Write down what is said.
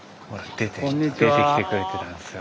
出てきてくれてたんですよ。